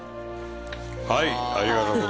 はい。